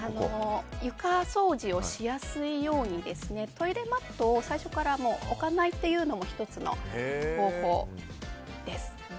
床掃除をしやすいようにトイレマットを最初から置かないというのも１つの方法です。